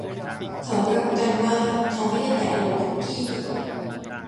เขารับประกันว่าเขาไม่ได้แตะโหลคุกกี้